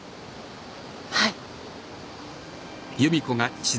はい。